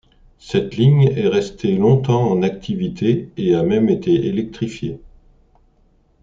Cette ligne est restée longtemps en activité et a même été électrifiée.